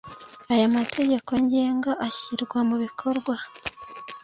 aya mategeko ngenga azashyirwa mu bikorwa